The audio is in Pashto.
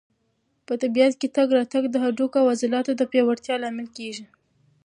په طبیعت کې تګ راتګ د هډوکو او عضلاتو د پیاوړتیا لامل کېږي.